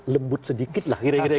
lembut sedikit lah